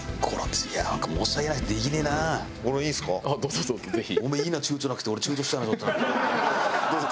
どうぞどうぞぜひ。